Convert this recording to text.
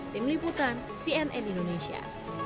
tim liputan cnn indonesia